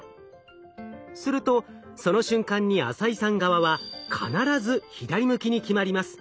するとその瞬間に浅井さん側は必ず左向きに決まります。